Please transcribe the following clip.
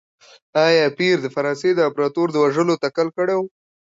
ایا پییر د فرانسې د امپراتور د وژلو تکل کړی و؟